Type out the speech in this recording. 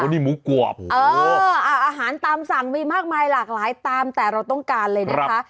นี่หมูกรอบอาหารตามสั่งมีมากมายหลากหลายตามแต่เราต้องการเลยนะคะ